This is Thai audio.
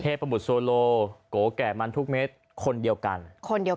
เทพบุษโซโลโกะแก่มันทุกเม็ดคนเดียวกัน